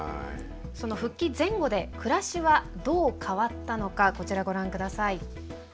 その復帰前後で暮らしはどう変わったのかこちらご覧下さい。